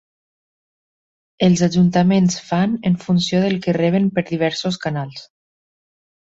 Els ajuntaments fan en funció del que reben per diversos canals.